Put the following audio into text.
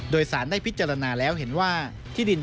โดยสารได้พิจารณาแล้วเห็นว่าในช่วงเช้าที่นายคอยี่มีมิ